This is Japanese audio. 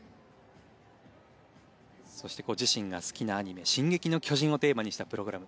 そしてご自身が好きなアニメ「進撃の巨人」をテーマにしたプログラム